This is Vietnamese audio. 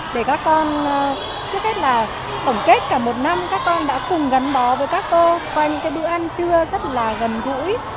để các con trước hết là tổng kết cả một năm các con đã cùng gắn bó với các cô qua những bữa ăn trưa rất là gần gũi